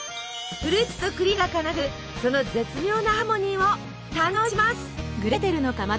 フルーツとクリームが奏でるその絶妙なハーモニーを堪能します。